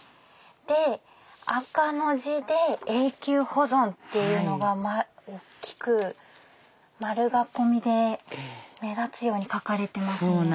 で赤の字で「永久保存」っていうのが大きく丸囲みで目立つように書かれてますね。